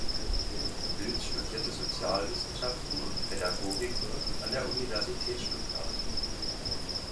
Pilz studierte Sozialwissenschaften und Pädagogik an der Universität Stuttgart.